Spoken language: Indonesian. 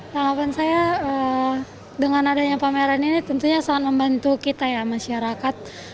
tanggapan saya dengan adanya pameran ini tentunya sangat membantu kita ya masyarakat